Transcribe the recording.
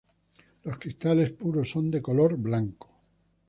Los cristales puros son de color blanco.